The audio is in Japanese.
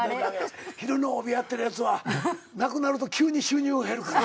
昼の帯やってるやつはなくなると急に収入が減るから。